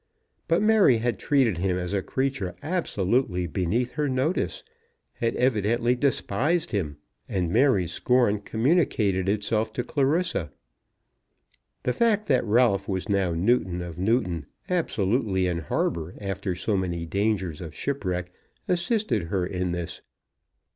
But Mary had treated him as a creature absolutely beneath her notice, had evidently despised him, and Mary's scorn communicated itself to Clarissa. The fact that Ralph was now Newton of Newton, absolutely in harbour after so many dangers of shipwreck, assisted her in this.